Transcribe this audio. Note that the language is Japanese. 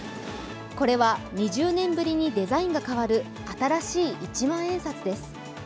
これは２０年ぶりにデザインが変わる新しい一万円札です。